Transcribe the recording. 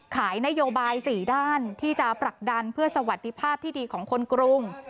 ขายนโยบาย๔ด้านที่จะผลักดันเพื่อสวัสดิภาพที่ดีของคนกรุง